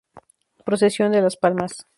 Procesión de las palmas.